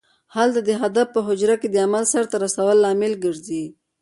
هلته د هدف په حجره کې د عمل سرته رسولو لامل ګرځي.